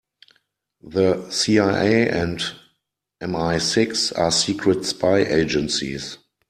The CIA and MI-Six are secret spy agencies.